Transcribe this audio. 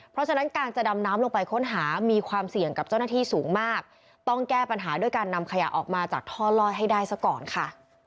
เพราะฉะนั้นการจะดำน้ำลงไปค้นหามีความเสี่ยงกับเจ้าหน้าที่สูงมากต้องแก้ปัญหาด้วยการนำขยะออกมาจากท่อลอยให้ได้ซะก่อนค่ะ